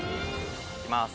「いきます」